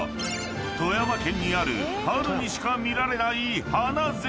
［富山県にある春にしか見られない花絶景］